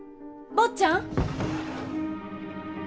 坊ちゃん！